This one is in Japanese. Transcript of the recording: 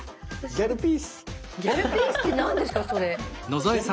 「ギャルピースって何ですかそれ？」。